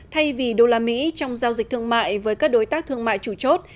thay vì đô la mỹ trong giao dịch thương mại với các đối tác thương mại chủ chốt